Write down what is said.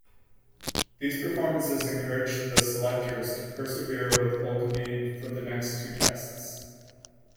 These performances encouraged the selectors to persevere with Ogilvie for the next two tests.